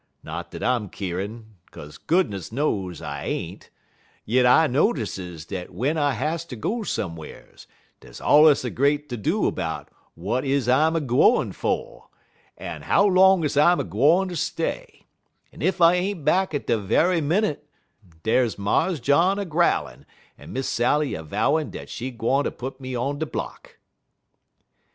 Not dat I'm keerin', 'kaze goodness knows I ain't, yit I notices dat w'en I has ter go some'rs, dey's allers a great ter do 'bout w'at is I'm a gwine fer, en how long is I'm a gwine ter stay; en ef I ain't back at de ve'y minit, dars Mars John a growlin', en Miss Sally a vowin' dat she gwine ter put me on de block."